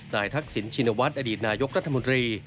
ทักษิณชินวัฒน์อดีตนายกรัฐมนตรี